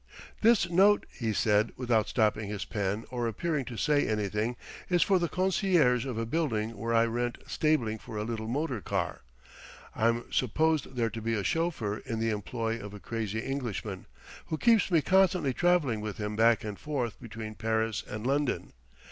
"This note," he said, without stopping his pen or appearing to say anything "is for the concierge of a building where I rent stabling for a little motor car. I'm supposed there to be a chauffeur in the employ of a crazy Englishman, who keeps me constantly travelling with him back and forth between Paris and London.